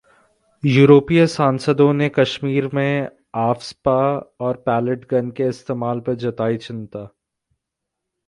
यूरोपीय सांसदों ने कश्मीर में आफ्सपा और पैलेट गन के इस्तेमाल पर जताई चिंता